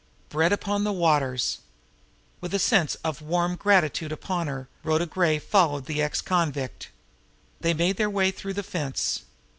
Bread upon the waters! With a sense of warm gratitude upon her, Rhoda Gray followed the ex convict. They made their way through the fence.